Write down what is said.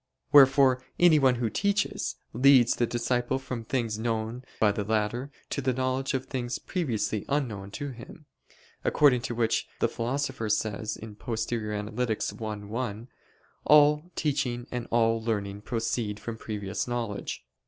Wherefore anyone who teaches, leads the disciple from things known by the latter, to the knowledge of things previously unknown to him; according to what the Philosopher says (Poster. i, 1): "All teaching and all learning proceed from previous knowledge."